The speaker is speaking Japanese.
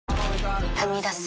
踏み出す。